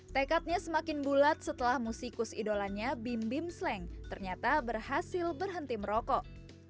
tekadnya semakin bulat setelah musikus idolanya bim bim sleng ternyata berhasil berhenti merokok